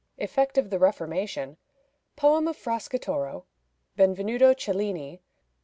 Effect of the Reformation. Poem of Fracastoro. Benvenuto Cellini.